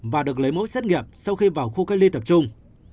và được lấy mỗi xét nghiệm sau khi vào khu cây ly tập trung